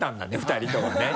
２人ともね。